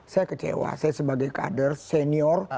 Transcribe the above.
saya sebagai kader senior